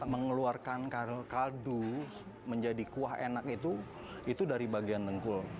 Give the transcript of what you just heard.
mengeluarkan kaldu menjadi kuah enak itu itu dari bagian dengkul